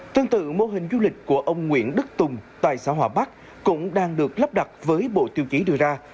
tương tự mô hình du lịch của ông nguyễn đức tùng tại xã hòa bắc cũng đang được lắp đặt với bộ tiêu chí đưa ra